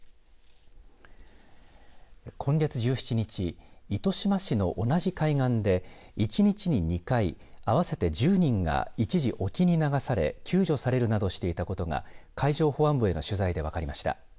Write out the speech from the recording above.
今月１７日糸島市の同じ海岸で一日に２回合わせて１０人が一時、沖に流され救助されるなどしていたことが海上保安部への取材で分かりました。